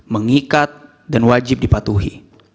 mengikat dan wajib dipatuhi